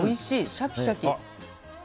シャキシャキ。